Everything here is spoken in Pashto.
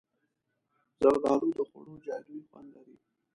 زردالو د خوړو جادويي خوند لري.